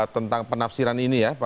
tentang penafsiran ini ya